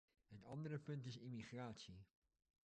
Het andere punt is immigratie.